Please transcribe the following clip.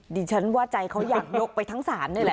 ดิฉันว่าใจเขาอยากยกไปทั้งศาลนี่แหละ